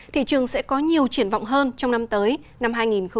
thị trường sẽ có nhiều triển vọng hơn trong năm tới năm hai nghìn hai mươi